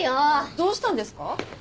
どうしたんですか？